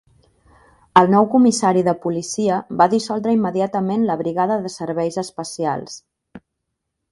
El nou comissari de policia va dissoldre immediatament la brigada de serveis espacials.